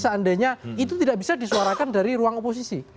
seandainya itu tidak bisa disuarakan dari ruang oposisi